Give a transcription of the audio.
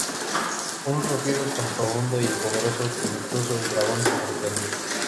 Un rugido tan profundo y poderoso que incluso el dragón se sorprendió.